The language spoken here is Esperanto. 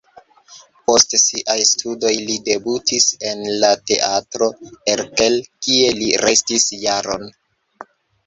Post siaj studoj li debutis en la Teatro Erkel, kie li restis jaron.